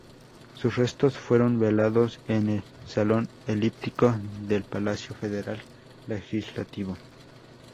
Sus restos fueron velados en el Salón Elíptico del Palacio Federal Legislativo.